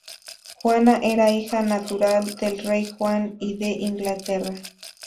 Juana era hija natural del rey Juan I de Inglaterra.